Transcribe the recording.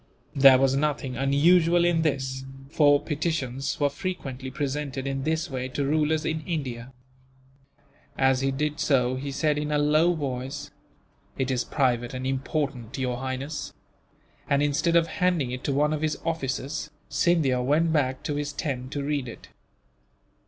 There was nothing unusual in this, for petitions were frequently presented in this way to rulers in India. As he did so, he said in a low voice, "It is private and important, Your Highness;" and instead of handing it to one of his officers, Scindia went back to his tent to read it.